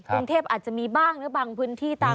กรุงเทพอาจจะมีบ้างหรือบางพื้นที่ตาม